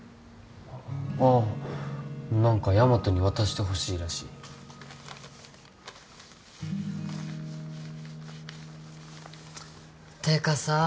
ああ何かヤマトに渡してほしいらしいってかさ